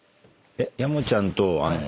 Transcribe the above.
山ちゃんと。